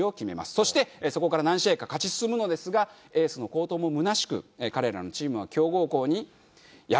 そしてそこから何試合か勝ち進むのですがエースの好投も空しく彼らのチームは強豪校に敗れてしまいます。